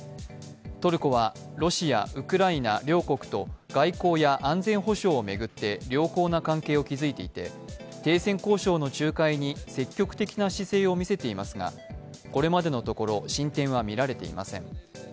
トルコはロシア、ウクライナ両国と外交や安全保障を巡って良好な関係を築いていて停戦交渉の仲介に積極的な姿勢を見せていますがこれまでのところ進展はみられていません。